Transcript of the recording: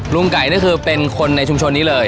ไก่นี่คือเป็นคนในชุมชนนี้เลย